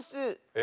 え？